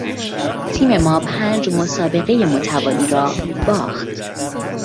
تیم ما پنج مسابقهی متوالی را باخت.